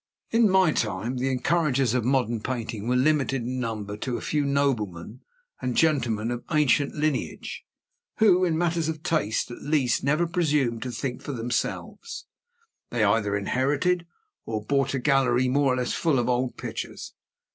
In my time, the encouragers of modern painting were limited in number to a few noblemen and gentlemen of ancient lineage, who, in matters of taste, at least, never presumed to think for themselves. They either inherited or bought a gallery more or less full of old pictures.